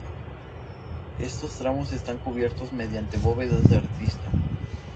Estos tramos están cubiertos mediante bóvedas de arista.